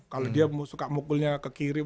kalau dia suka mukulnya ke kiri